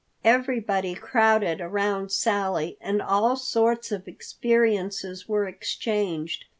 Everybody crowded around Sally, and all sorts of experiences were exchanged.